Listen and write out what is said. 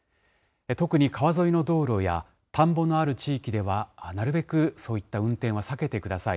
特に川沿いの道路や、田んぼのある地域ではなるべくそういった運転は避けてください。